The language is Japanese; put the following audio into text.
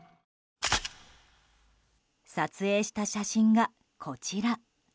撮影した写真がこちら。